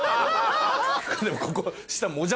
でもここ下。